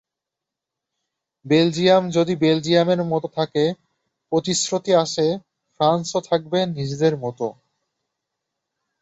Belgium যদি বেলজিয়ামের মতো থাকে, প্রতিশ্রুতি আছে ফ্রান্সও থাকবে নিজেদের মতো।